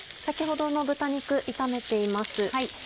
先ほどの豚肉炒めています。